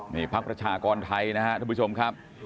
นี่พักประชากรไทยนะครับทุกผู้ชมครับ